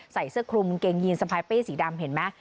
ใส่เสื้อคลุมกางเกงยีนสะพายเป้สีดำเห็นไหม